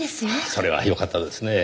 それはよかったですねぇ。